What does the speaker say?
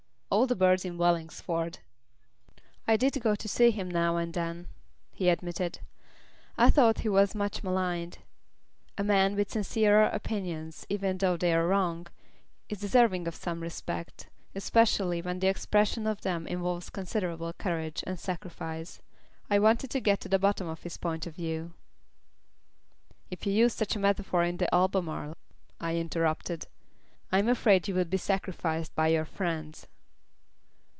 "All the birds of Wellingsford." "I did go to see him now and then," he admitted. "I thought he was much maligned. A man with sincere opinions, even though they're wrong, is deserving of some respect, especially when the expression of them involves considerable courage and sacrifice. I wanted to get to the bottom of his point of view." "If you used such a metaphor in the Albemarle," I interrupted, "I'm afraid you would be sacrificed by your friends."